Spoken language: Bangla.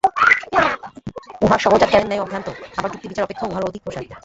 উহা সহজাত জ্ঞানের ন্যায় অভ্রান্ত, আবার যুক্তিবিচার অপেক্ষাও উহার অধিক প্রসার।